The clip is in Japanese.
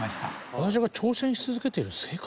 「私が挑戦し続けている生活」？